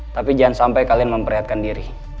tapi jangan sampai kalian memperlihatkan diri